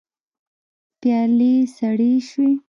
پيالې سړې شوې.